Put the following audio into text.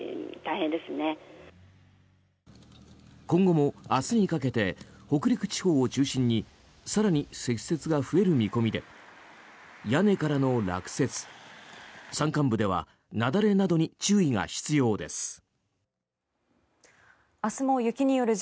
今後も明日にかけて北陸地方を中心に更に積雪が増える見込みで屋根からの落雪山間部では雪崩などに注意が必要です。